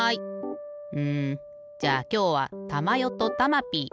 うんじゃあきょうはたまよとたまピー。